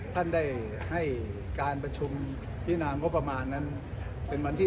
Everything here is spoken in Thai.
ท่านได้ให้การประชุมพินางบประมาณนั้นเป็นวันที่